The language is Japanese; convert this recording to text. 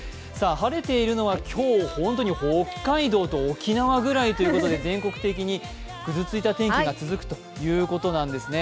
晴れているのは今日、本当に北海道と沖縄ぐらいということで全国的にぐずついた天気が続くということなんですね。